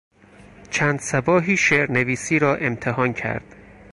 چند صباحی شعرنویسی را امتحان کرد.